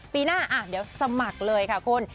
ปีหน้าเดี๋ยวสมัครเลยค่ะคุณ